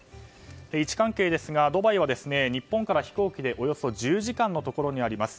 位置関係ですが、ドバイは日本から飛行機でおよそ１０時間のところです。